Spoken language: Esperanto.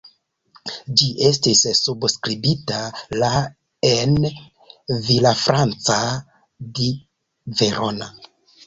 Ĝi estis subskribita la en Villafranca di Verona.